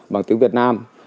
bằng tiếng việt nam